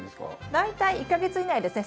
大体１か月以内ですね。